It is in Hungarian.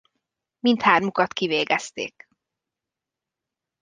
Mindhármukat kivégezték.